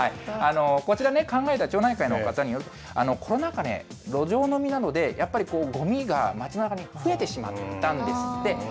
こちらね、考えた町内会の方によると、コロナ禍、路上飲みなどで、やっぱりごみが町なかに増えてしまったんですって。